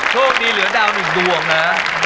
โชคดีเหลือดาวหนึ่งดวงนะ